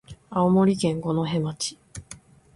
青森県五戸町